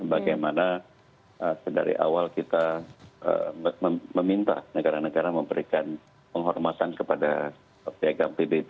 bagaimana dari awal kita meminta negara negara memberikan penghormatan kepada piagam pbb